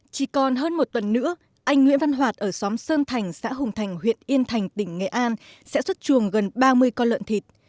chỉ còn hơn một tuần nữa anh nguyễn văn hoạt ở xóm sơn thành xã hùng thành huyện yên thành tỉnh nghệ an sẽ xuất chuồng gần ba mươi con lợn thịt